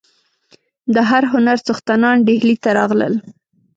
د هر هنر څښتنان ډهلي ته راغلل.